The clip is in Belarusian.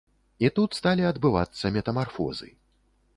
І тут сталі адбывацца метамарфозы.